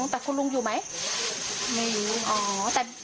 ไม่รู้ไม่รู้ครับ